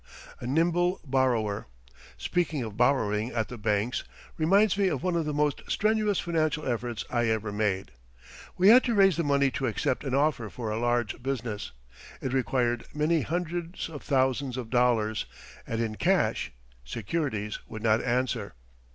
A NIMBLE BORROWER Speaking of borrowing at the banks reminds me of one of the most strenuous financial efforts I ever made. We had to raise the money to accept an offer for a large business. It required many hundreds of thousands of dollars and in cash securities would not answer.